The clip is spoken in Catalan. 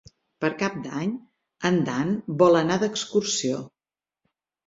Per Cap d'Any en Dan vol anar d'excursió.